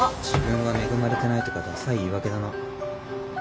自分が恵まれてないとかダサい言い訳だな。